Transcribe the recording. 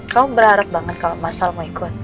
kamu berharap banget kalau masal mau ikut